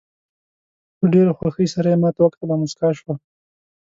په ډېره خوښۍ سره یې ماته وکتل او موسکاه شوه.